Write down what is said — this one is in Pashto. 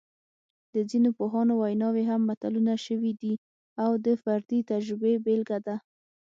د ځینو پوهانو ویناوې هم متلونه شوي دي او د فردي تجربې بېلګه ده